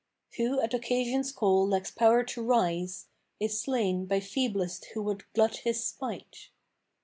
Who at occasion's call lacks power to rise * Is slain by feeblest who would glut his spite.